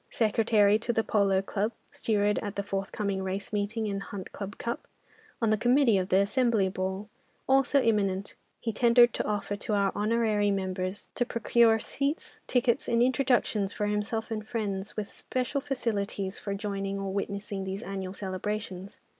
Secretary to the polo club, steward at the forthcoming Race meeting and Hunt Club Cup, on the committee of the Assembly Ball, also imminent, he tendered an offer to our honorary member to procure seats, tickets, and introductions for himself and friends, with special facilities for joining or witnessing these annual celebrations.